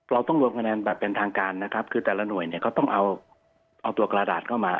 เราต้องรวมคะแนนแบบเป็นทางการนะครับคือแต่ละหน่วยเนี่ยเขาต้องเอาตัวกระดาษเข้ามา